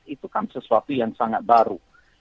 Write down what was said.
itu kan sesuatu yang sangat baru